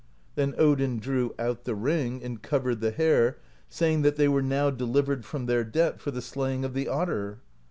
Then Odin drew out the ring, and covered the hair, saying that they were now delivered from their debt for the slaying of the otter.